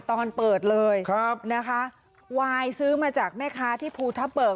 ตอนเปิดเลยครับนะคะวายซื้อมาจากแม่ค้าที่ภูทับเบิก